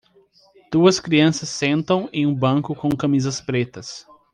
duas crianças sentam em um banco com camisas pretas